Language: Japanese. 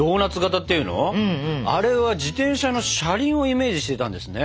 あれは自転車の車輪をイメージしてたんですね。